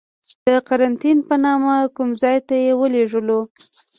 د قرنتین په نامه کوم ځای ته یې ولیږلو.